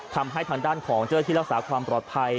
ทำให้ทางด้านของเจ้าที่รักษาความปลอดภัย